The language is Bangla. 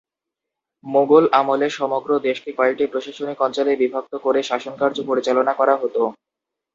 মোগল আমলে সমগ্র দেশকে কয়েকটি প্রশাসনিক অঞ্চলে বিভক্ত করে শাসনকার্য পরিচালনা করা হতো।